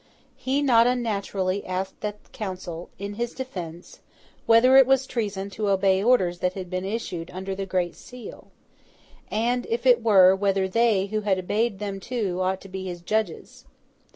He, not unnaturally, asked that Council, in his defence, whether it was treason to obey orders that had been issued under the great seal; and, if it were, whether they, who had obeyed them too, ought to be his judges?